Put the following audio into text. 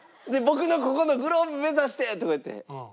「僕のここのグローブ目指して！」とか言うて。